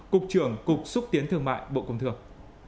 cục trưởng cục xúc tiến thương mại bộ công thương